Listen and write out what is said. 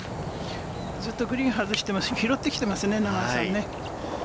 ずっとグリーンを外しても拾ってきてますね、永井さん。